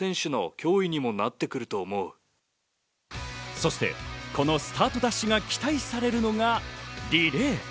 そしてこのスタートダッシュが期待されるのがリレー。